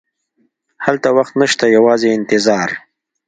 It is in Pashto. هلته وخت نه شته، یوازې انتظار.